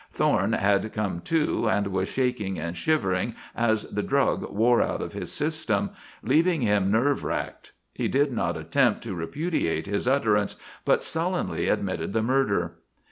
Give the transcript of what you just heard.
Thorne had come to and was shaking and shivering as the drug wore out of his system, leaving him nerve racked. He did not attempt to repudiate his utterance, but sullenly admitted the murder.